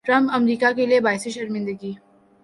Trump امریکا کیلئے باعث شرمندگی